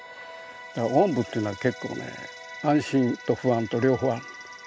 おんぶっていうのは結構ね安心と不安と両方ある。